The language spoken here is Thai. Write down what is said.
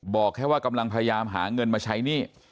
บอกแค่ว่ากำลังพยายามหาเงินมาใช้หนี้